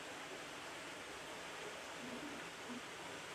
Ongeza viazi ulivyomenya na uchemshe